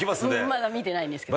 まだ見てないんですけど。